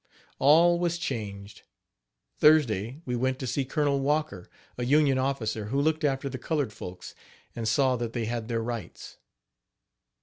All was changed. Thursday we went to see Col. Walker, a Union officer, who looked after the colored folks, and saw that they had their rights.